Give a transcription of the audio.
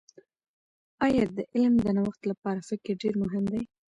آیا د علم د نوښت لپاره فکر ډېر مهم دي؟